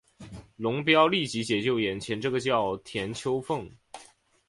龙飙立即解救眼前这个叫田秋凤。